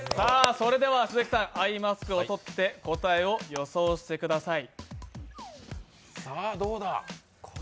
鈴木さん、アイマスクを取って答えを予想してください。